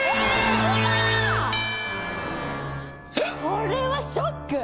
これはショック。